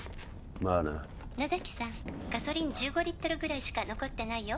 まあな「野崎さん」「ガソリン１５リットルぐらいしか残ってないよ」